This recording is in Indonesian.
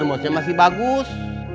termosnya masih bagus